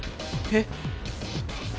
えっ？